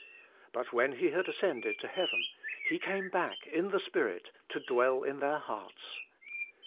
But when He had ascended to Heaven, He came back in the Spirit to dwell in their hearts.